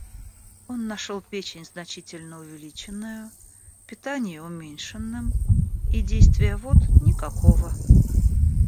Он нашел печень значительно увеличенною, питание уменьшенным и действия вод никакого.